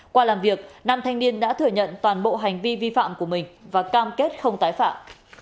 qua làm việc nam thanh niên đã thừa nhận toàn bộ hành vi vi phạm của mình và cam kết không tái phạm